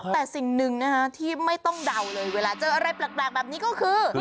แต่สิ่งหนึ่งนะคะที่ไม่ต้องเดาเลยเวลาเจออะไรแปลกแบบนี้ก็คือ